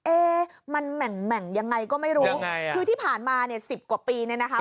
เอ๊ะมันแหม่งแหม่งยังไงก็ไม่รู้คือที่ผ่านมาเนี่ยสิบกว่าปีเนี่ยนะคะ